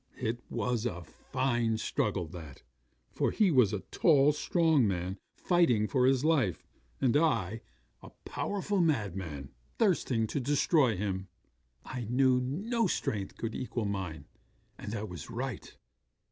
'It was a fine struggle that; for he was a tall, strong man, fighting for his life; and I, a powerful madman, thirsting to destroy him. I knew no strength could equal mine, and I was right.